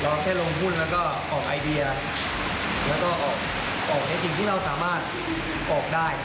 แค่ลงหุ้นแล้วก็ออกไอเดียแล้วก็ออกในสิ่งที่เราสามารถออกได้